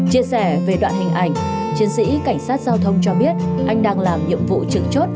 chia sẻ về đoạn hình ảnh chiến sĩ cảnh sát giao thông cho biết anh đang làm nhiệm vụ trực chốt